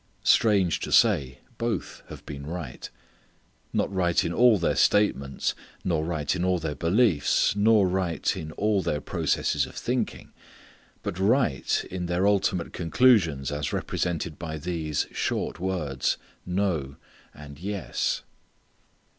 Strange to say both have been right. Not right in all their statements, nor right in all their beliefs, nor right in all their processes of thinking, but right in their ultimate conclusions as represented by these short words, "no," and "yes."